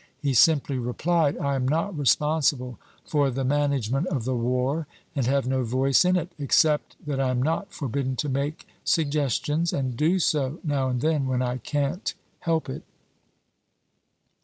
He simply replied: "I am not responsible for the management of the war and have no voice in it, except that I am not forbidden to make sugges tions ; and do so now and then when I can't help it."